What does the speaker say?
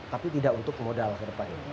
tapi tidak untuk modal ke depannya